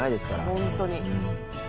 本当に。